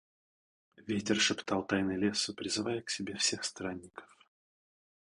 Ветер шептал тайны леса, призывая к себе всех странников.